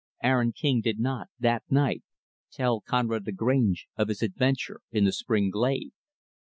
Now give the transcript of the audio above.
Aaron King did not, that night, tell Conrad Lagrange of his adventure in the spring glade.